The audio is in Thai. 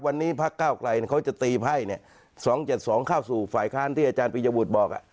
วันนี้พักเก้าไกลเขาจะตีไพ่๒๗๒เข้าสู่ฝ่ายค้านที่อาจารย์ปียบุตรบอก